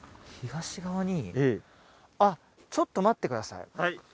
東側にええあっちょっと待ってください